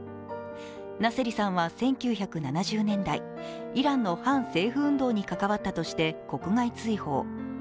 ナセリさんは１９７０年代、イランの反政府運動に関わったとして国外追放。